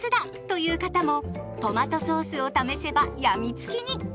という方もトマトソースを試せば病みつきに！